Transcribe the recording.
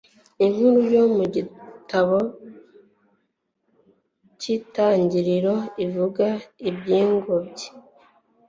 Inkuru yo mu gitabo cy Itangiriro ivuga iby ingobyi